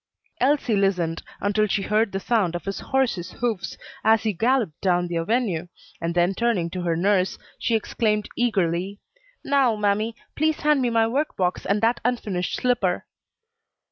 Elsie listened until she heard the sound of his horse's hoofs as he galloped down the avenue, and then turning to her nurse, she exclaimed eagerly, "Now, mammy, please hand me my work box and that unfinished slipper."